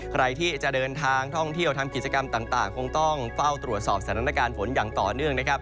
ใครที่จะเดินทางท่องเที่ยวทำกิจกรรมต่างคงต้องเฝ้าตรวจสอบสถานการณ์ฝนอย่างต่อเนื่องนะครับ